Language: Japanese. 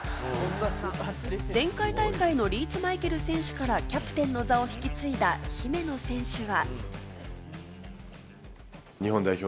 前回大会のリーチ・マイケル選手から、キャプテンの座を引き継いだ姫野選手は。